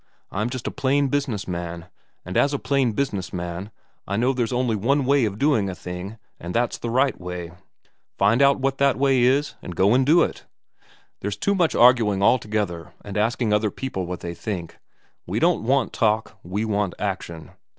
I'm just a plain business man, and as a plain business man I know there's only one way of doing a thing, and that's the right way. Find out what that way is, and go and do it. There's too much arguing altogether and asking other people what they think. We don't want talk, we want action.